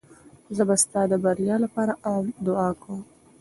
زه به ستا د بریا لپاره دعا کوم.